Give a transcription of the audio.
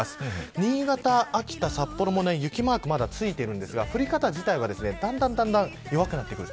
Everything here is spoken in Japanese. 新潟、秋田、札幌も雪マークがついていますが降り方自体はだんだん弱くなってきます。